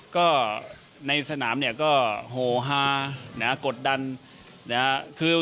ก็ในสนามเนี่ยก็โหฮานะครับกดดันนะครับ